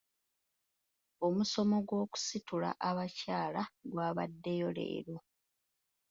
Omusomo gw'okusitula abakyala gwabaddeyo leero.